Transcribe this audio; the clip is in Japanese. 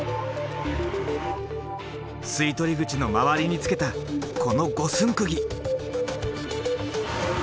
吸い取り口の周りにつけたこの五寸釘。